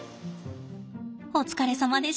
お疲れさまでした。